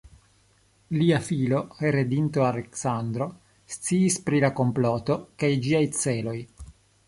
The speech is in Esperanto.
Lia filo, heredinto Aleksandro sciis pri la komploto kaj ĝiaj celoj.